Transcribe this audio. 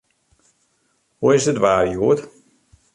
Hoe is it waar hjoed?